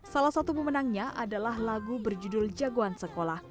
salah satu pemenangnya adalah lagu berjudul jagoan sekolah